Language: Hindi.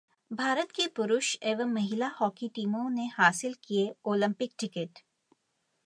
भारत की पुरुष एवं महिला हॉकी टीमों ने हासिल किए ओलंपिक टिकट